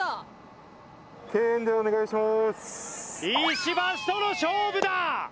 石橋との勝負だ！